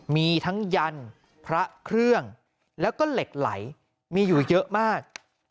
มีทั้งยันพระเครื่องแล้วก็เหล็กไหลมีอยู่เยอะมาก